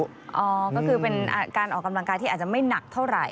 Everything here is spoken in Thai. ก็คือเป็นการออกกำลังกายที่อาจจะไม่หนักเท่าไหร่